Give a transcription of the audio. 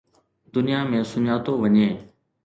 دنيا ۾ سڃاتو وڃي